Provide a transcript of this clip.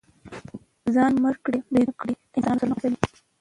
ځانمرګي بريدونه کړئ د انسانانو سرونه غوڅوئ.